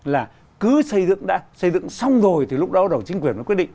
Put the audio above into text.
là cứ xây dựng xong rồi thì lúc đó đầu chính quyền quyết định